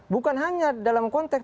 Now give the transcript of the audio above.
bukan hanya dalam konteks